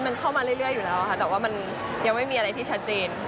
มันเข้ามาเรื่อยอยู่แล้วค่ะแต่ว่ามันยังไม่มีอะไรที่ชัดเจน